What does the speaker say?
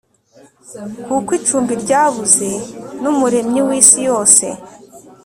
kuko icumbi ryabuze. n' umuremyi w’isi yose;